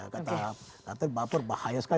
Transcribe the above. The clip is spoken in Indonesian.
kata baper bahaya sekali